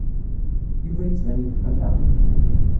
Yuba yettban yetqelleq.